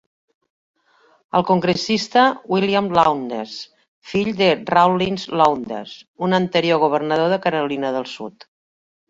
El congressista William Lowndes, fill de Rawlins Lowndes, un anterior governador de Carolina del Sud.